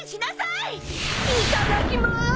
いただきます！